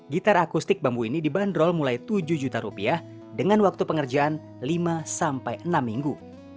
gitar akustik bambu ini dibanderol mulai tujuh juta rupiah dengan waktu pengerjaan lima sampai enam minggu